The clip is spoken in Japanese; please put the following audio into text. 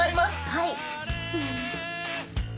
はい。